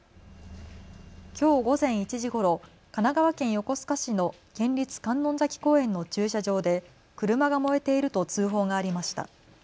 きょう午前１時ごろ神奈川県横須賀市の県立観音崎公園の駐車場で車が燃えていると通報がありました。